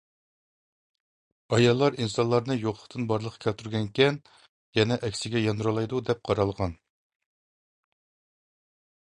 ئاياللار ئىنسانلارنى يوقلۇقتىن بارلىققا كەلتۈرگەنىكەن، يەنە ئەكسىگە ياندۇرالايدۇ دەپ قارالغان.